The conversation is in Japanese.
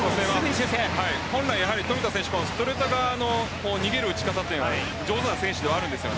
本来、富田選手ストレート側の逃げる打ち方上手な選手ではあります。